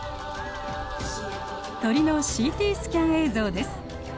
鳥のＣＴスキャン映像です。